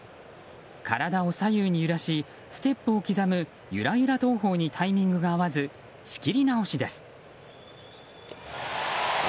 体を左右に揺らしステップを刻むゆらゆら投法にタイミングが合わず仕切り直しです。